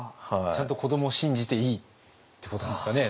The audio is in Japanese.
ちゃんと子どもを信じていいってことなんですかね。